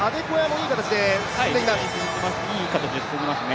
いい形で進んでますね。